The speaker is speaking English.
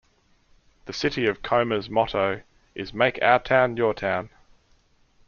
The City of Comer's motto is "Make Our Town Your Town".